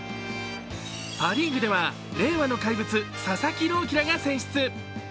パ・リーグでは令和の怪物・佐々木朗希らが選出。